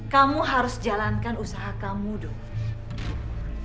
kamu harus jalankan usaha kamu dong